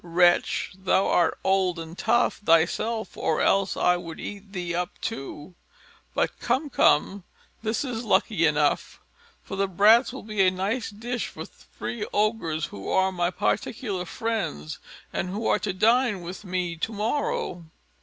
Wretch! thou art old and tough thyself, or else I would eat thee up too! But come, come, this is lucky enough; for the brats will make a nice dish for three Ogres, who are my particular friends, and who are to dine with me to morrow."